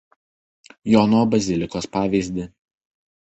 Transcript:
Jono bazilikos pavyzdį.